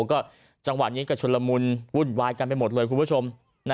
ก็จังหวะนี้ก็ชุนละมุนวุ่นวายกันไปหมดเลยคุณผู้ชม